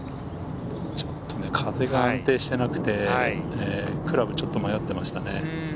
ちょっと風が安定していなくて、クラブ、迷っていましたね。